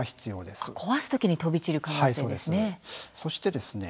壊すときに飛び散る可能性ですね。